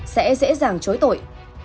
sẽ dễ dàng chối tội